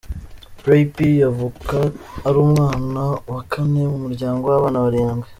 Ray P avuka ari umwana wa kane mu muryango w’abana barindwi.